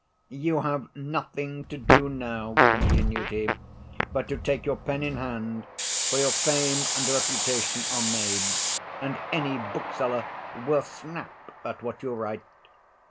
"You have nothing to do now," continued he, "but to take your pen in hand; for your fame and reputation are made, and any bookseller will snap at what you write."